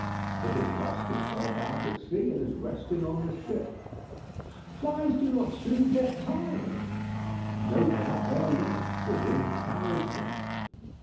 "It has lost itself out at sea, and is resting on the ship." "Flies do not soon get tired." "No doubt; they are light; the wind carries them."